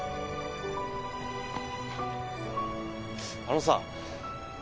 あのさ。